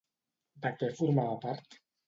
De què formava part?